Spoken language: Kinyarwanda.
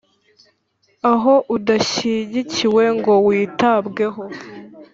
Aho udashyigikiwe ngo witabweho,